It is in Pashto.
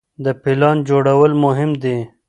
د پلان جوړول مهم دي.